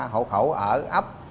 hậu khẩu ở ấp